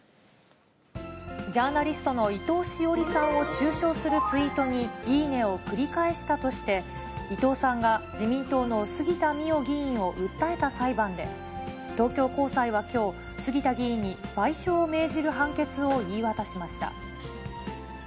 ジャーナリストの伊藤詩織さんを中傷するツイートにいいねを繰り返したとして、伊藤さんが自民党の杉田水脈議員を訴えた裁判で、東京高裁はきょう、杉田議員に賠償を命じる判決を言い渡しました。